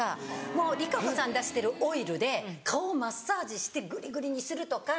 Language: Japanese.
もうＲＩＫＡＣＯさん出してるオイルで顔をマッサージしてグリグリにするとか。